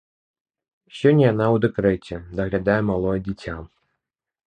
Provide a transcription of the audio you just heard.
Сёння яна ў дэкрэце, даглядае малое дзіця.